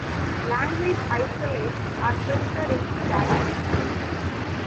Language isolates are printed in "italics".